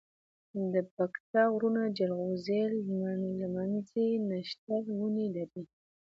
دپکتيا غرونه جلغوزي، لمنځی، نښتر ونی لری